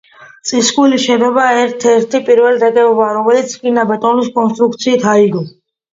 წისქვილის შენობა ერთ-ერთი პირველი ნაგებობაა, რომელიც რკინა-ბეტონის კონსტრუქციით აიგო.